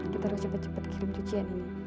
kita harus cepat cepat kirim cucian ini